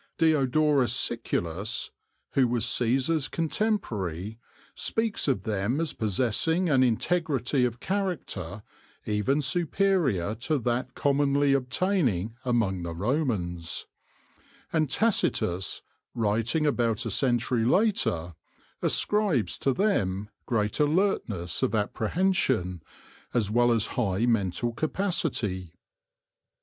Diodorus Siculus, who was Caesar's contemporary, speaks of them as possessing an integrity of character even superior to that commonly obtaining among the Romans ; and Tacitus, writing about a century later, ascribes to them great alertness of apprehension, as well as high mental capacity.